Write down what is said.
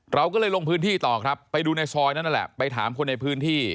เราก็เลยลงพื้นที่ต่อครับไปดูในซอยนั้นนั่นแหละไปถามคนในพื้นที่